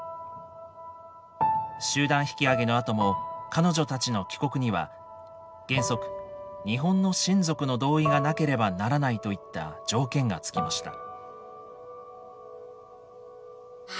集団引き揚げのあとも彼女たちの帰国には原則日本の親族の同意がなければならないといった条件がつきました。